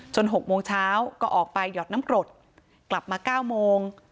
๖โมงเช้าก็ออกไปหยอดน้ำกรดกลับมา๙โมง